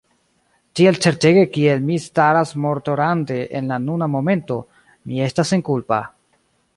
Tiel certege kiel mi staras mortorande en la nuna momento, mi estas senkulpa.